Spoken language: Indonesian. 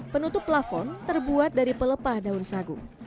penutup plafon terbuat dari pelepah daun sagu